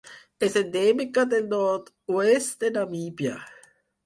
És endèmica del nord-oest de Namíbia.